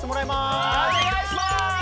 おねがいします！